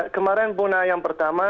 kemarin bunga yang pertama